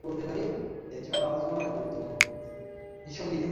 রাজভোগে তিনি কখনো লেশমাত্র সংকুচিত হন না।